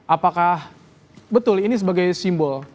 apakah betul ini sebagai simbol